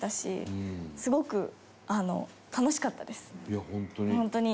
いやホントに。